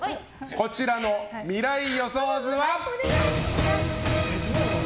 こちらの未来予想図は。